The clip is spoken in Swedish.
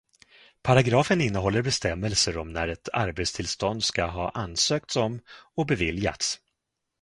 Paragrafen innehåller bestämmelser om när ett arbetstillstånd ska ha ansökts om och beviljats.